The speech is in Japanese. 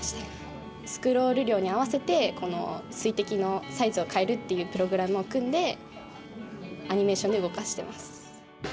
スクロール量に合わせてこの水滴のサイズを変えるっていうプログラムを組んでアニメーションで動かしてます。